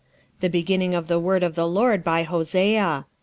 1:2 The beginning of the word of the LORD by Hosea.